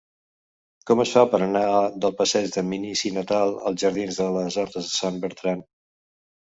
Com es fa per anar del passeig de Minici Natal als jardins de les Hortes de Sant Bertran?